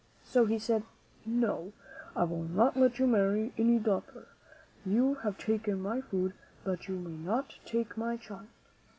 So he said, "No, I will not let you marry my daughter. You have taken my food, but you may not take my child."